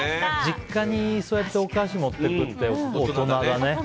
実家にそうやってお菓子持っていくって大人だね。